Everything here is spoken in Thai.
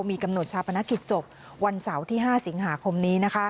มีกำหนดชาปนกิจจบวันเสาร์ที่๕สิงหาคมนี้